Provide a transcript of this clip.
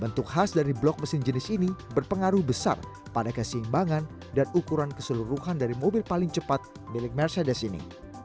bentuk khas dari blok mesin jenis ini berpengaruh besar pada keseimbangan dan ukuran keseluruhan dari mobil paling cepat milik mercedes ini